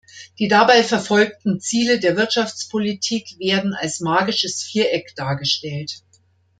Die dabei verfolgten Ziele der Wirtschaftspolitik werden als Magisches Viereck dargestellt.